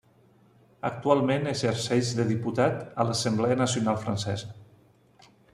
Actualment exerceix de diputat a l'Assemblea Nacional Francesa.